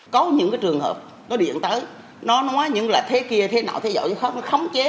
có những trường hợp nó điện tới nó nói những là thế kia thế nào thế giỏi nó khống chế